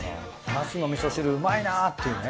ナスのみそ汁うまいなっていうね。